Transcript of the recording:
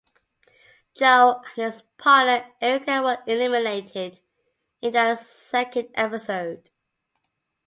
Joe and his partner Erica were eliminated in the second episode.